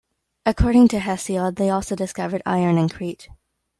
According to Hesiod, they also discovered iron in Crete.